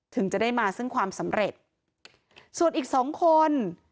ถึงจะได้มาซึ่งความสำเร็จส่วนอีกสองคน